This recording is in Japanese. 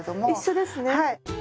あっ一緒ですね。